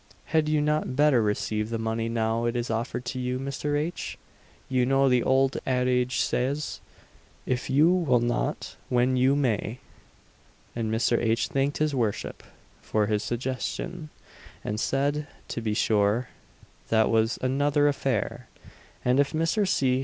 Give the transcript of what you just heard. Had you not better receive the money now it is offered to you, Mr. H.? You know the old adage says, "If you will not when you may," &c. Mr. H. thanked his worship for his suggestion, and said to be sure that was another affair and if Mr. C.